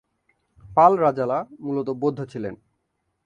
পাল রাজারা মূলত বৌদ্ধ ছিলেন।